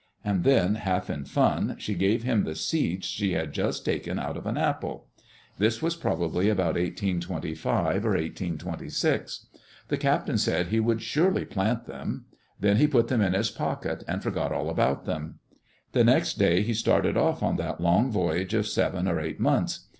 '* And then, half in fun, she gave him the seeds she had just taken out of an apple. This was probably about 1825 or 1826. The captain said he would surely plant them. Then he put them in his pocket and forgot all about them. The next day he started off on that long voyage of seven or eight months.